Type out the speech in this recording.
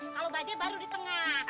kalau bajai baru di tengah